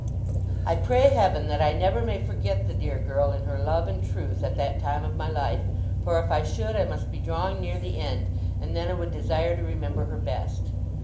I pray Heaven that I never may forget the dear girl in her love and truth, at that time of my life; for if I should, I must be drawing near the end, and then I would desire to remember her best!